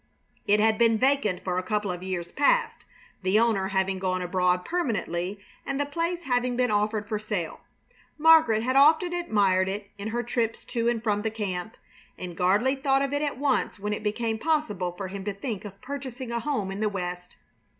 It had been vacant for a couple of years past, the owner having gone abroad permanently and the place having been offered for sale. Margaret had often admired it in her trips to and from the camp, and Gardley thought of it at once when it became possible for him to think of purchasing a home in the West.